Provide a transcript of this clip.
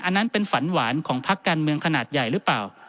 อันนั้นเป็นฝันหวานของพักการเมืองขนาดใหญ่หรือเปล่า